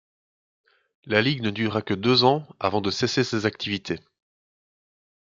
La ligue ne dura que deux ans avant de cesser ses activités.